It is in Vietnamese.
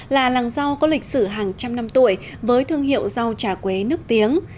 là làng rau có lịch sử hàng trăm năm tuổi với thương hiệu rau trà quế nước tiếng